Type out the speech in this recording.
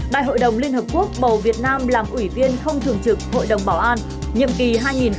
đại hội đồng liên hợp quốc bầu việt nam làm ủy viên không thường trực hội đồng bảo an